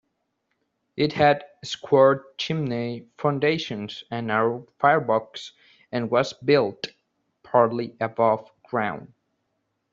It had square chimney foundations, a narrow firebox, and was built partly above ground.